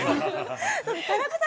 田中さん